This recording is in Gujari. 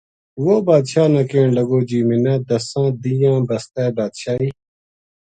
وہ بادشاہ نا کہن لگو جی منا دَساں دِیہنا ں بسطے بادشاہی